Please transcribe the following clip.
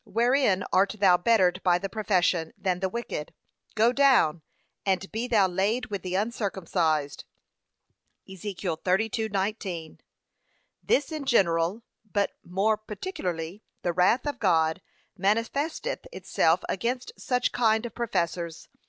wherein art thou bettered by the profession, than the wicked? 'go down, and be thou laid with the uncircumcised.' (Ezek. 32:19) This in general; but more particularly, the wrath of God manifesteth itself against such kind of professors.